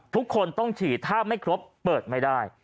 ทุกคนต้องฉีดถ้าไม่ครบเปิดไม่ได้